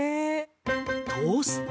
トースト？